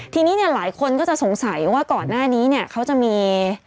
ทีนี้เนี่ยหลายคนก็จะสงสัยว่าก่อนหน้านี้เนี่ยเขาจะมี